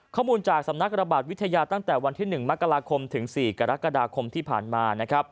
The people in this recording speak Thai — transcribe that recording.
ข้อมูลจากสำนักระบาดวิทยาตั้งแต่วันที่๑มกราคมถึง๔กรกฎาคมที่ผ่านมา